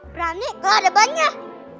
berani gak ada banyak